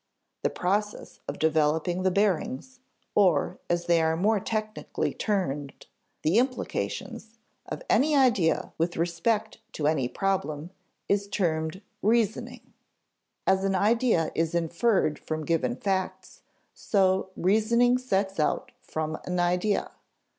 The process of developing the bearings or, as they are more technically termed, the implications of any idea with respect to any problem, is termed reasoning. As an idea is inferred from given facts, so reasoning sets out from an idea.